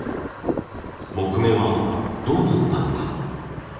木目はどうなったのか。